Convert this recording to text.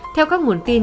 theo các nguồn tin